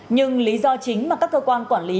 nhưng lý do chính mà các cơ quan quản lý